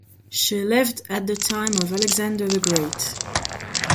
She lived at the time of Alexander the Great.